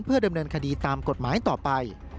ดำเนินคดีตามกฎหมายต่อไป